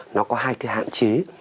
nó có hai cái hạn chế